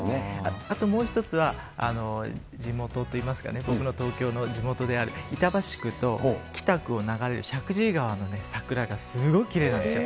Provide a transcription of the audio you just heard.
あともう一つは、地元といいますかね、僕の東京の地元である板橋区と北区を流れる石神井川の桜がすごいきれいなんですよ。